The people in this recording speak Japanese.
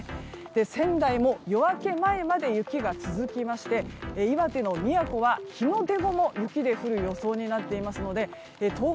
仙台も夜明け前まで雪が続きまして岩手の宮古は日の出後も雪が降る予想になっていますので東北